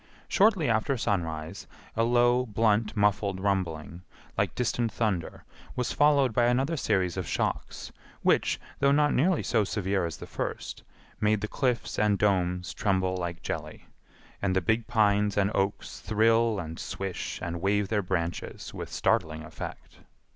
Shortly after sunrise a low, blunt, muffled rumbling, like distant thunder, was followed by another series of shocks, which, though not nearly so severe as the first, made the cliffs and domes tremble like jelly, and the big pines and oaks thrill and swish and wave their branches with startling effect.